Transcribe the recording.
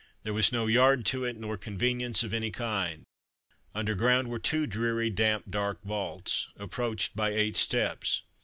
There was no yard to it, nor convenience of any kind. Under ground were two dreary, damp, dark vaults, approached by eight steps.